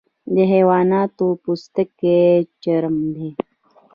د حیواناتو پوستکی چرم دی